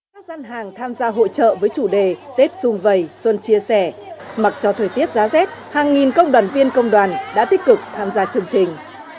các dân hàng tham gia hội trợ với chủ đề tết dung vầy xuân chia sẻ mặc cho thời tiết giá rét hàng nghìn công đoàn viên công đoàn đã tích cực tham gia chương trình